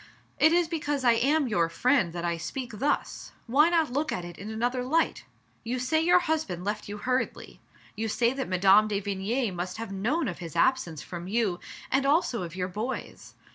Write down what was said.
"It is because I am your friend that I speak thus ; why not look at it in another light? You say your husband left you hurriedly ; you say that Mme. de Vigny must have known of his absence from you, and also of your boy's.